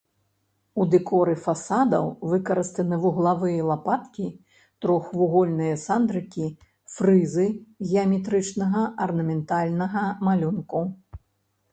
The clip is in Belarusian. У дэкоры фасадаў выкарыстаны вуглавыя лапаткі, трохвугольныя сандрыкі, фрызы геаметрычнага арнаментальнага малюнку.